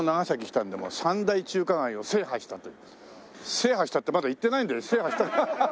「制覇した」ってまだ行ってないんで制覇した。